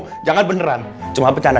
kenapa sih kamu lukis rencana